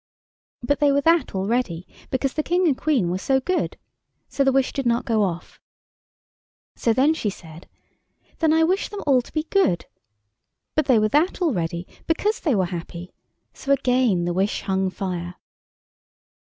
But they were that already, because the King and Queen were so good. So the wish did not go off. So then she said: "Then I wish them all to be good." But they were that already, because they were happy. So again the wish hung fire.